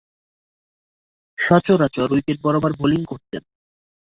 সচরাচর উইকেট বরাবর বোলিং করতেন।